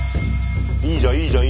いいじゃんいいじゃん。